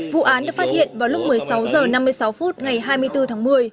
vụ án được phát hiện vào lúc một mươi sáu h năm mươi sáu phút ngày hai mươi bốn tháng một mươi